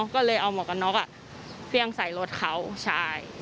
ก็เลยเอาหมวกกันน็อกเฟี่ยงใส่รถเขาใช่